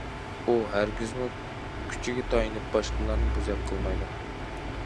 ئۇ ھەرگىزمۇ كۈچىگە تايىنىپ باشقىلارنى بوزەك قىلمايدۇ.